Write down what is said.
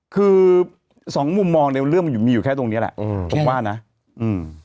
คือสองมุมมองในเรื่องมันอยู่มีอยู่แค่ตรงเนี้ยแหละอืมผมว่านะอืม